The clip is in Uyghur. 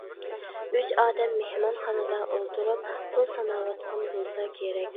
ئۈچ ئادەم مېھمانخانىدا ئولتۇرۇپ پۇل ساناۋاتقان بولسا كېرەك.